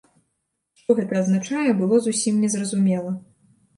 Што гэта азначае, было зусім незразумела.